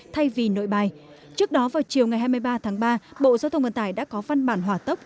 thay vì nội bài trước đó vào chiều ngày hai mươi ba tháng ba bộ giao thông vận tài đã có văn bản hòa tóc